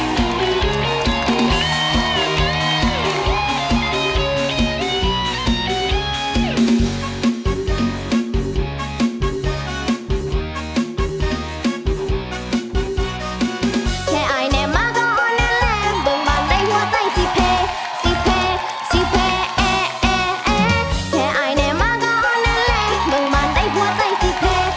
มึงบ้านใต้หัวใจสิเผ่